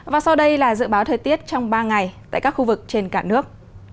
và sau đây là dự báo thời tiết trong ba ngày tại các khu vực trên cả nước